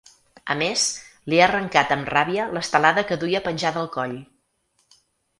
A més, li ha arrencat amb ràbia l’estelada que duia penjada al coll.